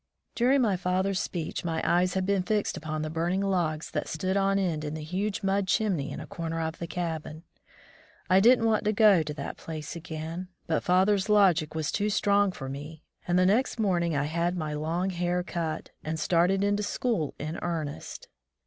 During father's speech my eyes had been fixed upon the burning logs that stood on end in the huge mud chimney in a comer of the cabin. I didn't want to go to that place again; but father's logic was too strong for me, and the next morning I had my long hair cut, and started in to school in earnest.